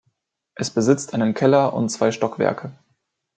Es besitzt einen Keller und zwei Stockwerke.